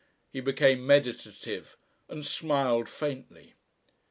He became meditative, and smiled faintly.